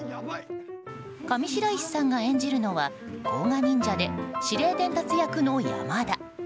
上白石さんが演じるのは甲賀忍者で指令伝達役の山田。